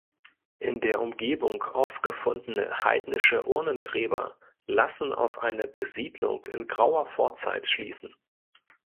In der Umgebung aufgefundene Heidnische Urnengräber lassen auf eine Besiedlung in grauer Vorzeit schließen.